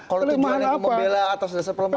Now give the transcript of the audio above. kalau tujuan itu membela atas dasar pelemahan